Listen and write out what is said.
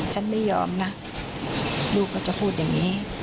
ฉันไม่ยอมนะลูกก็จะพูดอย่างนี้